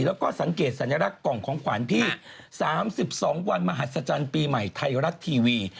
แล้วก็สังเกตสัญลักษณ์กล่องของขวัญพี่๓๒วันมหัศจรรย์ปีใหม่ไทยรัฐทีวี